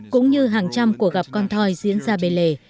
cũng như hàng trăm của gặp con thoi diễn ra bề lề